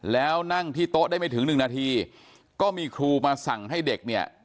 แล้วนั่งที่โต๊ะได้ไม่ถึงหนึ่งนาทีก็มีครูมาสั่งให้เด็กเนี่ย